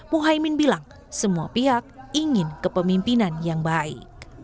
muhaymin bilang semua pihak ingin kepemimpinan yang baik